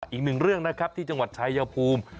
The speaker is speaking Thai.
อีกหนึ่งเรื่องนะครับที่จังหวัดชายภูมิ